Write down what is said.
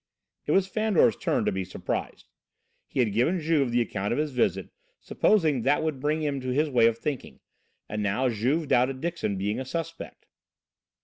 It was Fandor's turn to be surprised. He had given Juve the account of his visit, supposing that would bring him to his way of thinking, and now Juve doubted Dixon being a suspect.